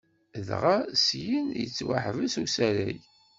Dɣa, syin yettwaḥbes usarag.